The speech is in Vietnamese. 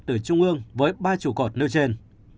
từ trung ương với ba chủ cột nêu trên